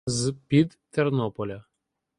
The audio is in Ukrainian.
— З-під Тернополя.